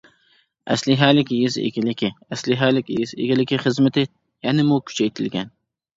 ئەسلىھەلىك يېزا ئىگىلىكى ئەسلىھەلىك يېزا ئىگىلىكى خىزمىتى يەنىمۇ كۈچەيتىلگەن.